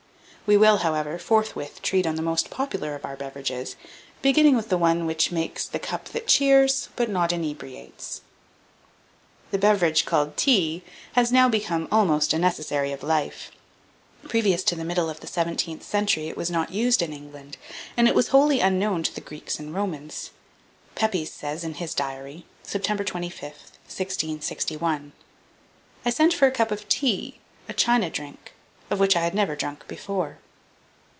1792. We will, however, forthwith treat on the most popular of our beverages, beginning with the one which makes "the cup that cheers but not inebriates." 1793. The beverage called tea has now become almost a necessary of life. Previous to the middle of the 17th century it was not used in England, and it was wholly unknown to the Greeks and Romans. Pepys says, in his Diary, "September 25th, 1661. I sent for a cup of tea (a China drink), of which I had never drunk before."